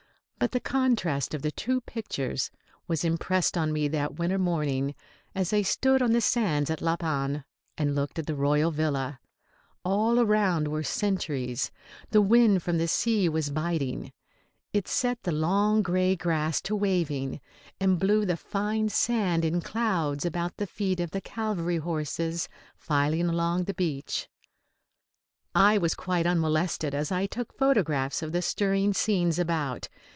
But the contrast of the two pictures was impressed on me that winter morning as I stood on the sands at La Panne and looked at the royal villa. All round were sentries. The wind from the sea was biting. It set the long grey grass to waving, and blew the fine sand in clouds about the feet of the cavalry horses filing along the beach. I was quite unmolested as I took photographs of the stirring scenes about.